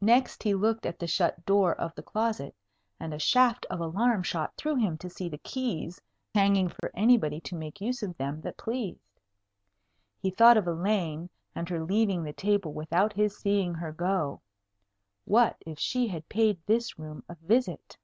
Next he looked at the shut door of the closet, and a shaft of alarm shot through him to see the keys hanging for anybody to make use of them that pleased. He thought of Elaine, and her leaving the table without his seeing her go. What if she had paid this room a visit?